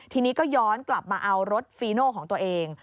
ทีนี้ก็ย้อนกลับมาเอารถฟีโน่ของตัวเอง